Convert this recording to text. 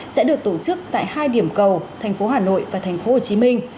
sẽ được tổ chức tại hai điểm cầu thành phố hà nội và thành phố hồ chí minh